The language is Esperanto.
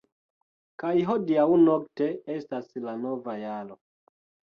- Kaj hodiaŭ-nokte estas la nova jaro!